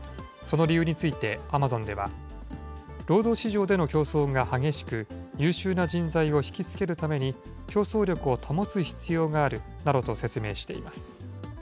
その理由について、アマゾンでは、労働市場での競争が激しく、優秀な人材を引き付けるために競争力を保つ必要があるなどと説明